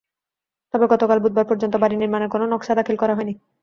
তবে গতকাল বুধবার পর্যন্ত বাড়ি নির্মাণের কোনো নকশা দাখিল করা হয়নি।